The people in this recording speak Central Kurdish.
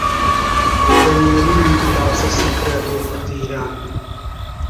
دەنێری کاسە سفرە بۆ فەقیران